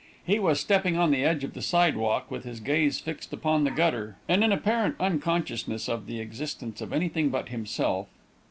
He was stepping on the edge of the sidewalk with his gaze fixed upon the gutter, and in apparent unconsciousness of the existence of anything but himself.